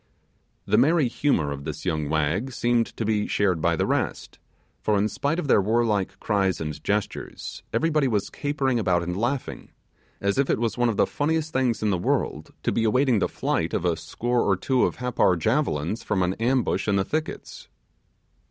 The merry humour of this young wag seemed to be shared by the rest, for in spite of their warlike cries and gestures, everybody was capering and laughing, as if it was one of the funniest things in the world to be awaiting the flight of a score or two of Happar javelins from an ambush in the thickets.